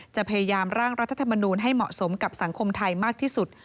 พยายามร่างรัฐธรรมนูลให้เหมาะสมกับสังคมไทยมากที่สุด